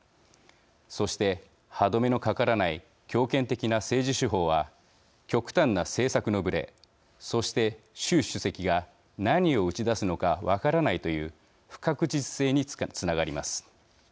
そして、歯止めのかからない強権的な政治手法は極端な政策のぶれそして、習主席が何を打ち出すのか分からないという不確実性につながります。